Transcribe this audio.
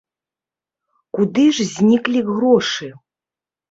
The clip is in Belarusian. Куды ж зніклі грошы?